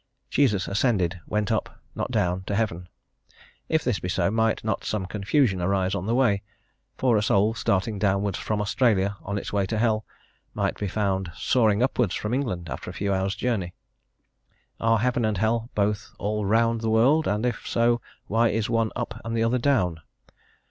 Jesus ascended, went up, not down, to heaven: if this be so, might not some confusion arise on the way, for a soul starting downwards from Australia on its way to hell, might be found soaring upwards from England after a few hours' journey. Are heaven and hell both all round the world, and if so, why is one "up" and the other "down"?